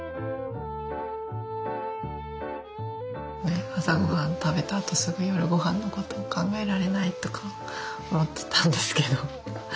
ねっ朝ごはん食べたあとすぐ夜ごはんのことを考えられないとか思ってたんですけど。